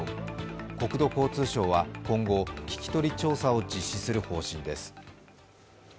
国土交通省は今後聞き取り調査を実施する方針です